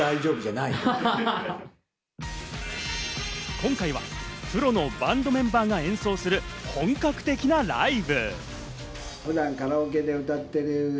今回はプロのバンドメンバーが演奏する本格的なライブ。